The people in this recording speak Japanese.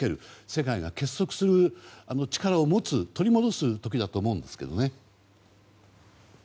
世界が結束する力を持つ取り戻す時だと思うんですけどね。